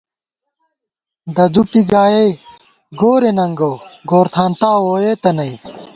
ددُوپی گائےگورے ننگَؤ ، گورتھانتا ووئېتہ نئ